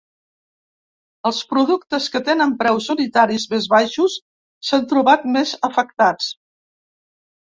Els productes que tenen preus unitaris més baixos s’han trobat més afectats.